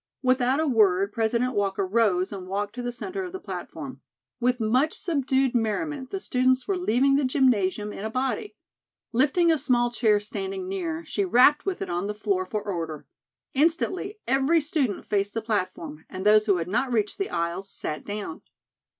Without a word, President Walker rose and walked to the centre of the platform. With much subdued merriment the students were leaving the gymnasium in a body. Lifting a small chair standing near, she rapped with it on the floor for order. Instantly, every student faced the platform, and those who had not reached the aisles sat down.